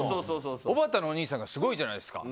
おばたのお兄さんがすごいじゃないですか。